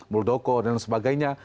muldoko dan sebagainya